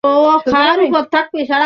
তিনি তার শৈশবকাল অতিবাহিত করেন।